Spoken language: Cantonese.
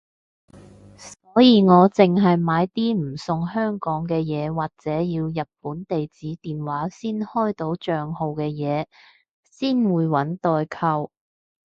所以我淨係買啲唔送香港嘅嘢或者要日本地址電話先開到帳號嘅嘢先會搵代購